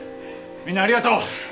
みんなありがとう！